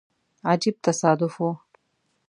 عجیب تصادف وو.